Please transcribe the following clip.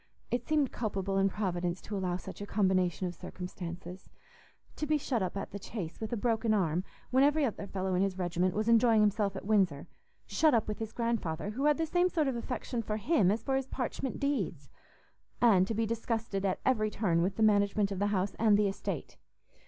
It seemed culpable in Providence to allow such a combination of circumstances. To be shut up at the Chase with a broken arm when every other fellow in his regiment was enjoying himself at Windsor—shut up with his grandfather, who had the same sort of affection for him as for his parchment deeds! And to be disgusted at every turn with the management of the house and the estate!